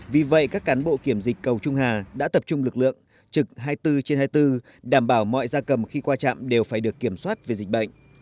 vì vậy các cán bộ kiểm dịch cầu trung hà đã tập trung lực lượng trực hai mươi bốn trên hai mươi bốn đảm bảo mọi gia cầm khi qua trạm đều phải được kiểm soát về dịch bệnh